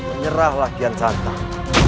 menyerahlah kian santang